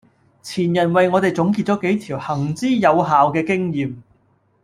前人為我哋總結咗幾條行之有效嘅經驗